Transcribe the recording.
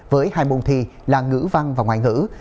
với hai môn thi là ngữ văn và ngoại ngữ